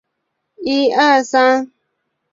垂穗虎尾草为禾本科虎尾草属下的一个种。